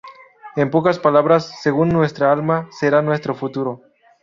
En pocas palabras, según nuestra alma, será nuestro futuro.